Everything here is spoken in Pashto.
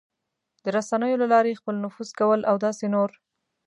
د رسنیو له لارې خپل نفوذ کول او داسې نور...